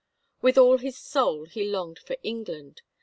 With all his soul he longed for England.